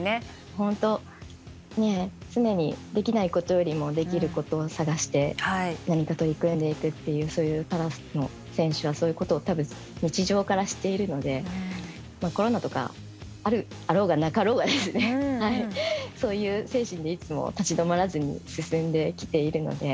本当ねえ常にできないことよりもできることを探して何か取り組んでいくっていうパラの選手はそういうことを多分日常からしているのでコロナとかあろうがなかろうがですねそういう精神でいつも立ち止まらずに進んできているので。